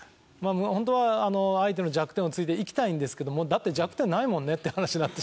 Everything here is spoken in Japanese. ホントは相手の弱点を突いていきたいんですけどもだって弱点ないもんねって話になってしまうんで。